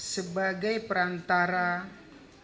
sebagai perantara bh kepada ra